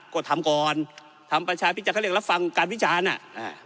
ก็ทำก่อนทำประชาพิจารณเขาเรียกรับฟังการวิจารณ์อ่ะอ่า